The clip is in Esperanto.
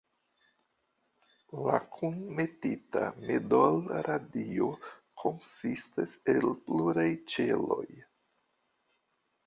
La "kunmetita medolradio"konsistas el pluraj ĉelo.